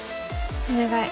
お願い。